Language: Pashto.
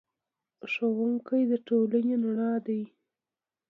ښوونکی د ټولنې رڼا دی.